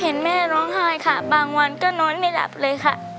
เห็นแม่ร้องไห้ค่ะบางวันก็นอนไม่หลับเลยค่ะ